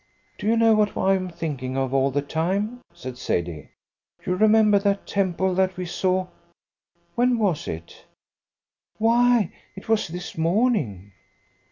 "Do you know what I am thinking of all the time?" said Sadie. "You remember that temple that we saw when was it? Why, it was this morning."